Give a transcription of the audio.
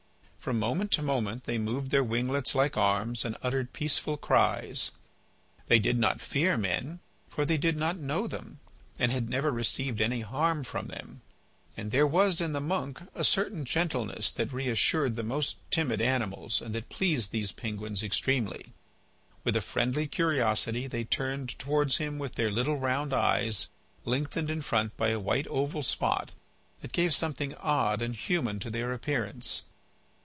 From moment to moment they moved their winglets like arms, and uttered peaceful cries. They did not fear men, for they did not know them, and had never received any harm from them; and there was in the monk a certain gentleness that reassured the most timid animals and that pleased these penguins extremely. With a friendly curiosity they turned towards him their little round eyes lengthened in front by a white oval spot that gave something odd and human to their appearance.